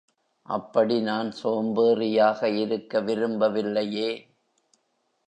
அப்படி நான் சோம்பேறியாக இருக்க விரும்பவில்லையே!